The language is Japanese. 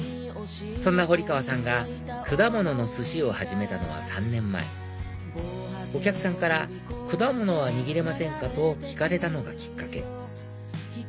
そんな堀川さんが果物の寿司を始めたのは３年前お客さんから果物は握れませんか？と聞かれたのがきっかけ